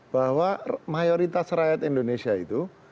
bahwa mayoritas rakyat indonesia itu